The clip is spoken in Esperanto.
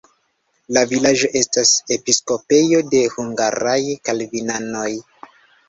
La vilaĝo estas episkopejo de hungaraj kalvinanoj.